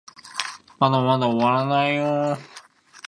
まだまだ終わらないよ